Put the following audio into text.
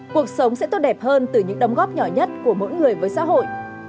cuộc sống sẽ tốt đẹp hơn từ những đóng góp nhỏ nhất của mỗi người với xã hội